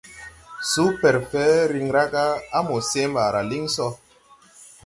Supɛrfɛ riŋ ra ga a mo see ɓaara liŋ sɔ.